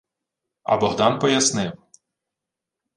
А Богдан пояснив: